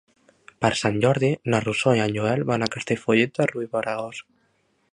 Per Sant Jordi na Rosó i en Joel van a Castellfollit de Riubregós.